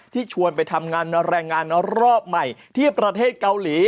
ชวนไปทำงานแรงงานรอบใหม่ที่ประเทศเกาหลี